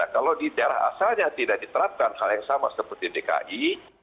kalau di daerah asalnya tidak diterapkan hal yang sama seperti dki